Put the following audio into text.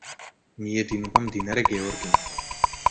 მიედინება მდინარე გეორგინა.